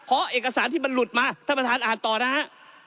เพราะเอกสารที่มันหลุดมาท่านประธานอ่านต่อนะฮะ